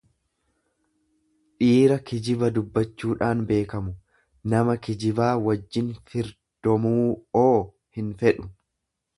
dhiira kijiba dubbachuudhaan beekamu; Nama kijibaa wajjin firdomuuoo hinfedhu.